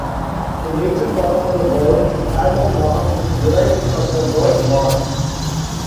The latter part of the word "Hallowmas" is derived from the word "Mass".